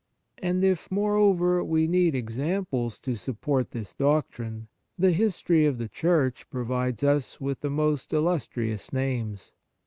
And if, moreover, we need examples to support this doctrine, the history of the Church provides us with the most illustrious names.